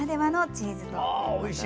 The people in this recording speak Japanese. おいしい。